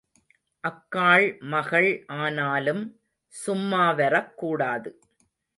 அக்காள் மகள் ஆனாலும் சும்மா வரக் கூடாது.